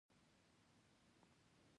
هغه څنګه؟